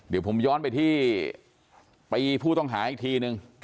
เดี๋ยวผมย้อนไปที่ปีผู้ต้องหาอีกทีนึง